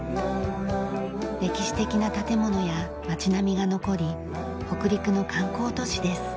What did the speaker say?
歴史的な建物や街並みが残り北陸の観光都市です。